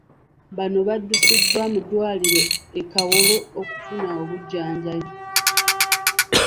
Bano baddusiddwa mu ddwaliro e Kawolo okufuna obujjanjabi.